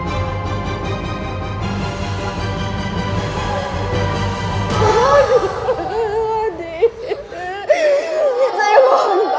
aduh aduh aduh